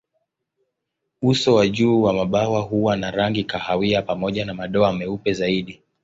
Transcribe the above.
Uso wa juu wa mabawa huwa na rangi kahawia pamoja na madoa meupe zaidi.